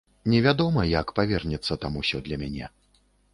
Невядома, як павернецца там усё для мяне.